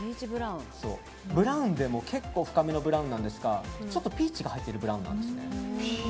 ブラウンでも結構深めのブラウンなんですがピーチが入っているブラウンなんですね。